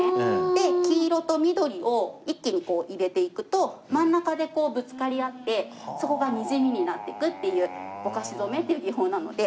で黄色と緑を一気に入れていくと真ん中でぶつかり合ってそこがにじみになっていくっていうぼかし染めっていう技法なので。